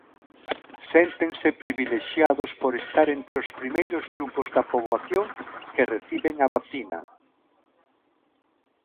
Séntense privilexiados por estar entre os primeiros grupos da poboación que reciben a vacina.